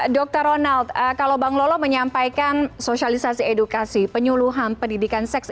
dr ronald kalau bang lolo menyampaikan sosialisasi edukasi penyuluhan pendidikan seks